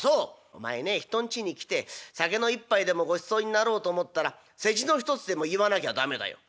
「お前ね人んちに来て酒の一杯でもごちそうになろうと思ったら世辞の一つでも言わなきゃ駄目だよ」。